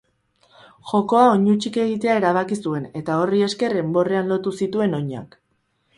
Jokoa oinutsik egitea erabaki zuen, eta horri esker enborrean lotu zituen oinak.